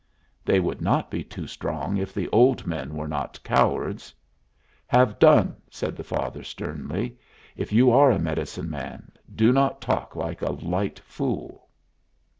"They would not be too strong if the old men were not cowards." "Have done," said the father, sternly. "If you are a medicine man, do not talk like a light fool."